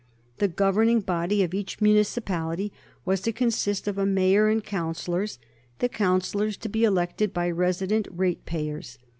The governing body of each municipality was to consist of a Mayor and Councillors, the Councillors to be elected by resident ratepayers.